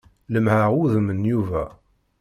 Lemmɛeɣ udem n Yuba.